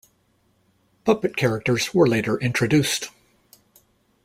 Puppet characters were later introduced.